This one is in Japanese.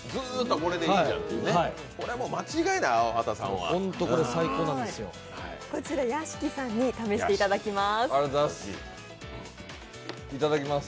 こちら屋敷さんに試していただきます。